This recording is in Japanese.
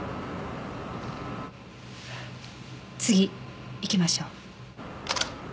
次いきましょう。